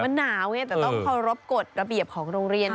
ใช่มันต้องควรรบกฎระเบียบของโรงเรียนด้วย